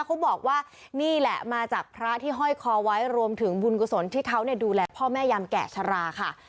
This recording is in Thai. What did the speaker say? เขาบอกว่านี่แหละมาจากพระที่ห้อยคอไว้รวมถึงบุญกุศลที่เขาดูแลพ่อแม่ยามแก่ชะลาค่ะ